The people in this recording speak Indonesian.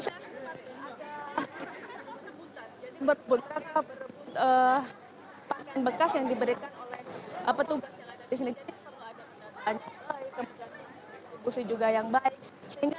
saya berputar putar bekas yang diberikan oleh petugas yang ada di sini juga yang baik sehingga